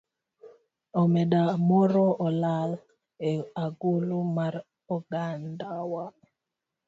Omenda moro olal e agulu mar ogandawa